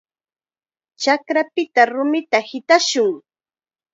Chakrapita rumita hitashun.